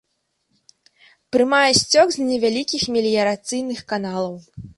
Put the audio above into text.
Прымае сцёк з невялікіх меліярацыйных каналаў.